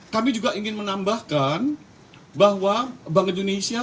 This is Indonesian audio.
kami juga ingin menambahkan bahwa bank indonesia